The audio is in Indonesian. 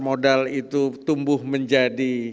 modal itu tumbuh menjadi